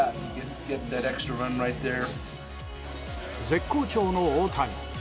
絶好調の大谷。